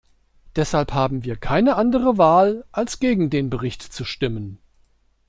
Deshalb haben wir keine andere Wahl als gegen den Bericht zu stimmen.